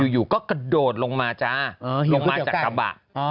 อยู่ก็กระโดดลงมาจ้าลงมาจากกระบะ